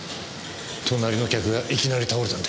隣の客がいきなり倒れたんだよ。